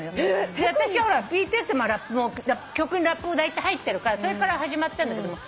私はほらＢＴＳって曲にラップもだいたい入ってるからそれから始まったんだけども。